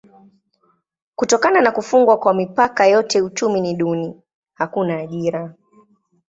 Kutokana na kufungwa kwa mipaka yote uchumi ni duni: hakuna ajira.